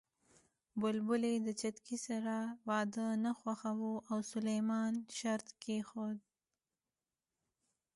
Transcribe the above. بلبلې د چتکي سره واده نه خوښاوه او سلیمان ع شرط کېښود